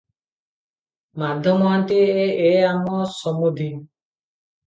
ମାଧ ମହାନ୍ତିଏ ଏ ଆମ ସମୁଧି ।